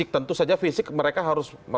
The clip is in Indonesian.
tentu saja fisik mereka harus